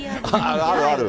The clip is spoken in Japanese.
あるある。